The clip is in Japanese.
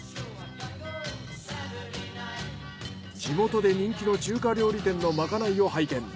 地元で人気の中華料理店のまかないを拝見。